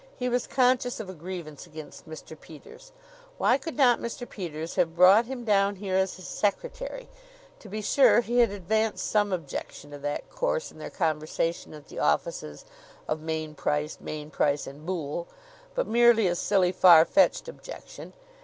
He was conscious of a grievance against Mr. Peters. Why could not Mr. Peters have brought him down here as his secretary? To be sure, he had advanced some objection to that course in their conversation at the offices of Mainprice, Mainprice & Boole; but merely a silly, far fetched objection.